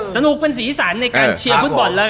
สนุกเป็นศรีสรรค์ในการเชียร์ฟุตบอลละก่อน